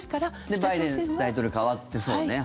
で、バイデン大統領に代わってね。